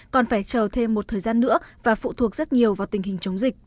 còn phải chờ thêm một thời gian nữa và phụ thuộc rất nhiều vào tình hình chống dịch